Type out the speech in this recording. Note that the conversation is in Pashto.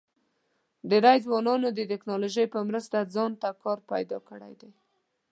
ډېری ځوانانو د ټیکنالوژۍ په مرسته ځان ته کار پیدا کړی دی.